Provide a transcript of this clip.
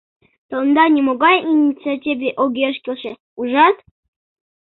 Тыланда нимогай инициативе огеш келше, ужат?